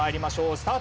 スタート！